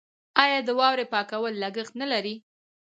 آیا د واورې پاکول لګښت نلري؟